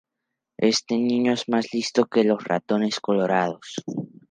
Este niño es más listo que los ratones colorados